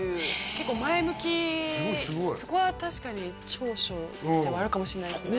結構前向きすごいすごいそこは確かに長所ではあるかもしれないですね